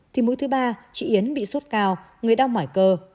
thì mũi thứ ba chị yến bị sốt cao người đau mỏi cơ